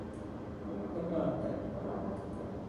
Toplantı…